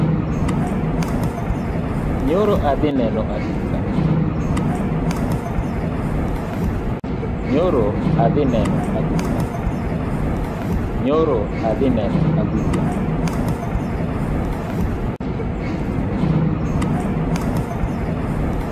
Nyoro adhi neno adhula.